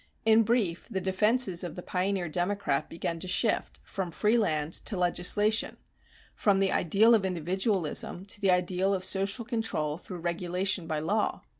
In brief, the defenses of the pioneer democrat began to shift, from free land to legislation, from the ideal of individualism to the ideal of social control through regulation by law.